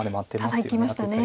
ただいきましたね。